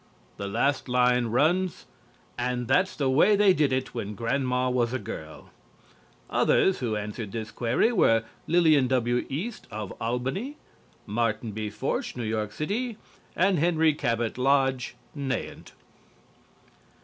The last line runs: "And that's they way they did it, when Grandma was a girl." Others who answered this query were: Lillian W. East, of Albany; Martin B. Forsch, New York City, and Henry Cabot Lodge, Nahant.